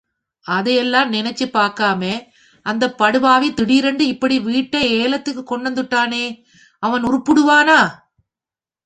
அதையெல்லாம் நெனச்சுப் பாக்காமே, அந்தப் படுபாவி திடீருன்னு இப்படி வீட்டே ஏலத்துக்குக் கொண்டாந்துட்டானே அவன் உருப்புடுவானா?